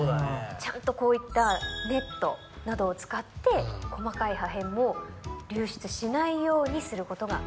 ちゃんとこういったネットなどを使って細かい破片も流出しないようにすることが大事なんです。